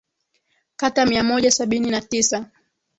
Kata mia moja sabini na tisa